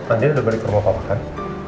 andin udah balik rumah papa kan